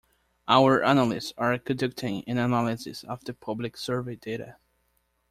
Our analysts are conducting an analysis of the public survey data.